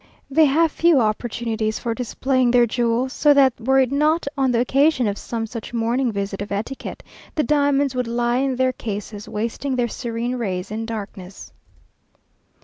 They have few opportunities for displaying their jewels, so that were it not on the occasion of some such morning visit of etiquette, the diamonds would lie in their cases, wasting their serene rays in darkness.